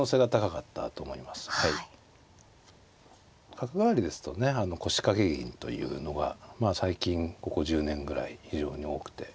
角換わりですとね腰掛け銀というのが最近ここ１０年ぐらい非常に多くて。